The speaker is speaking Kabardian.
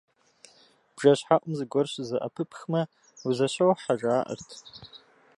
Бжэщхьэӏум зыгуэр щызэӏэпыпхмэ, узэщохьэ жаӏэрт.